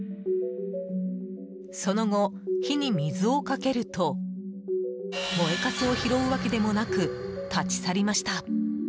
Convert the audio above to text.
その後、火に水をかけると燃えかすを拾うわけでもなく立ち去りました。